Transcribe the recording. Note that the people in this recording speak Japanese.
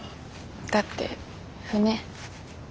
だって船。